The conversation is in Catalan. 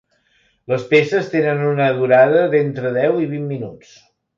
Les peces tenen una durada d'entre deu i vint minuts.